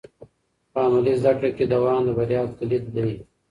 په عملي زده کړه کې دوام د بریا کلید دی.